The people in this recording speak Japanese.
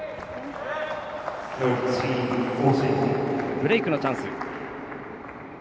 ブレークのチャンス。